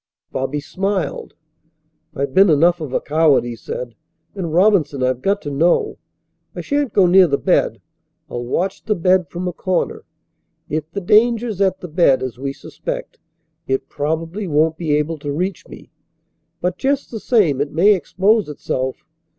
Bobby smiled. "I've been enough of a coward," he said, "and, Robinson, I've got to know. I shan't go near the bed. I'll watch the bed from a corner. If the danger's at the bed, as we suspect, it probably won't be able to reach me, but just the same it may expose itself.